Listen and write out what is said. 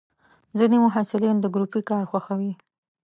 ځینې محصلین د ګروپي کار خوښوي.